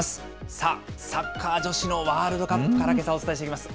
さあ、サッカー女子のワールドカップから、けさはお伝えしていきます。